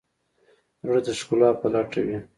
زړه د ښکلا په لټه وي.